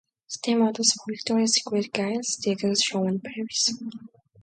Stam models for Victoria's Secret Giles Deacon's show in Paris.